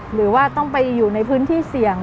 หรือว่าต้องไปอยู่ในพื้นที่เสี่ยง